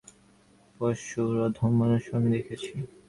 পশুর অধম মানুষও আমি দেখিয়াছি।